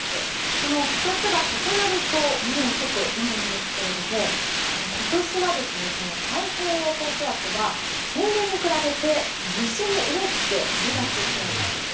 この２つが重なると猛暑となるんですけれども今年、太平洋高気圧は平年に比べて西に大きく張り出しそうなんです。